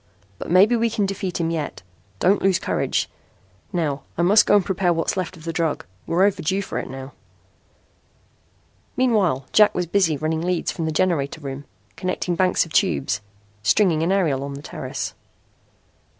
But maybe we can defeat him yet. Don't lose courage. Now I must go and prepare what's left of the drug. We're overdue for it now." Meanwhile Jack was busy running leads from the generator room, connecting banks of tubes, stringing an aerial on the terrace.